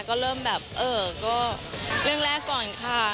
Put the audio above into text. ก็เริ่มแบบเออก็เรื่องแรกก่อนค่ะ